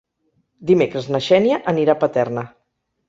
Dimecres na Xènia anirà a Paterna.